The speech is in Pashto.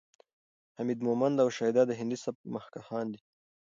حمید مومند او شیدا د هندي سبک مخکښان دي.